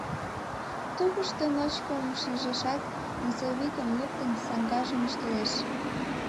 Тупышто ночкым шижешат, носовикым луктын, саҥгажым ӱштылеш.